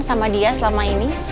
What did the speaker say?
sama dia selama ini